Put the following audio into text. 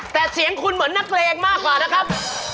แต่เสียงคุณเหมือนนักเลงมากกว่านะครับ